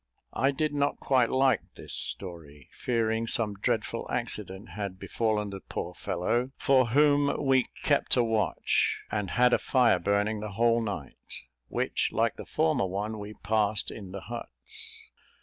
I did not quite like this story, fearing some dreadful accident had befallen the poor fellow, for whom we kept a watch, and had a fire burning the whole night, which, like the former one, we passed in the huts.